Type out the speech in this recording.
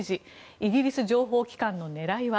イギリス情報機関の狙いは？